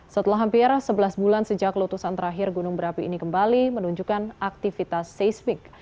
setelah hampir sebelas bulan sejak letusan terakhir gunung berapi ini kembali menunjukkan aktivitas seismik